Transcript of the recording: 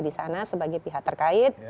disana sebagai pihak terkait